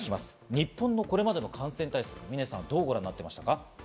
日本のこれまでの感染対策、峰さん、どうご覧になっていましたか？